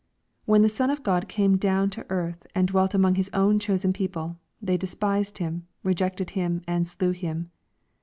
When the Son of God came down to earth ana dwelt among His own chosen people, they despised Him, rejected Him, and slew Him.